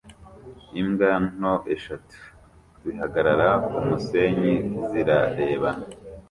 Imbwa nto eshatu zihagarara kumusenyi zirarebana